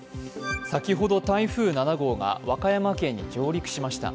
先ほど台風７号が和歌山県に上陸しました。